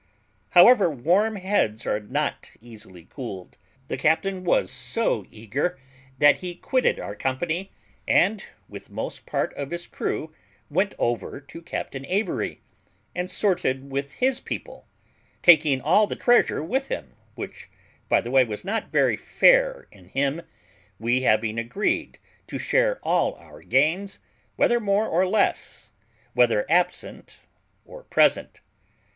However, warm heads are not easily cooled. The captain was so eager that he quitted our company, and, with most part of his crew, went over to Captain Avery, and sorted with his people, taking all the treasure with him, which, by the way, was not very fair in him, we having agreed to share all our gains, whether more or less, whether absent or present.